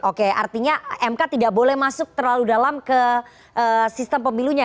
oke artinya mk tidak boleh masuk terlalu dalam ke sistem pemilunya